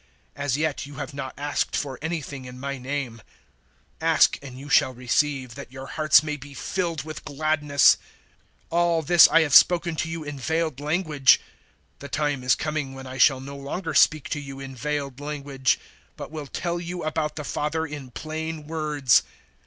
016:024 As yet you have not asked for anything in my name: ask, and you shall receive, that your hearts may be filled with gladness. 016:025 "All this I have spoken to you in veiled language. The time is coming when I shall no longer speak to you in veiled language, but will tell you about the Father in plain words.